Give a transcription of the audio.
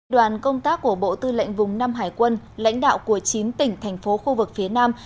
đoàn công tác của bộ tư lệnh vùng năm hải quân lãnh đạo của chín tỉnh thành phố khu vực phía nam